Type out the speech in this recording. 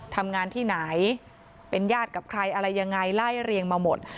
ทำงานที่ไหนเป็นญาติกับใครอะไรยังไงไล่เรียงมาหมด